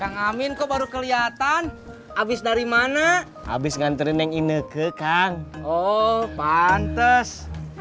kang amin kok baru kelihatan abis dari mana abis ngantri neng ini ke kang oh pantes